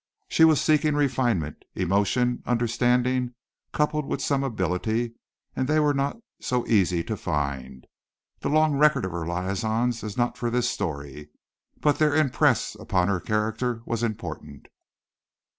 She was seeking refinement, emotion, understanding coupled with some ability and they were not so easy to find. The long record of her liaisons is not for this story, but their impress on her character was important.